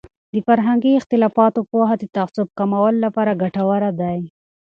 د فرهنګي اختلافاتو پوهه د تعصب کمولو لپاره ګټوره دی.